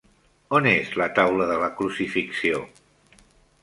On és la taula de la Crucifixió?